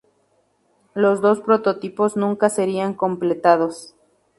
Los dos prototipos nunca serían completados.